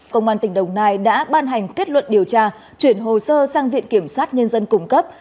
công an tỉnh đồng nai đã ban hành kết luận điều tra chuyển hồ sơ sang viện kiểm sát nhân dân cung cấp